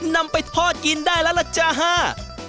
นำไปทอดกินได้แล้วล่ะจ้าฮ่า